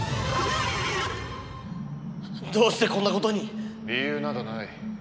どうしてこんなことに⁉理由などない。